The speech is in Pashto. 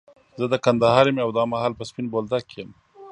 زه د کندهار يم، او دا مهال په سپين بولدک کي يم.